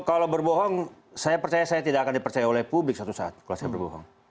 kalau berbohong saya percaya saya tidak akan dipercaya oleh publik suatu saat kalau saya berbohong